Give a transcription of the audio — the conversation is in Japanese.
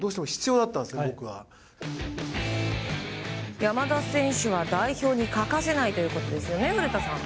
山田選手は代表に欠かせないということですね古田さん。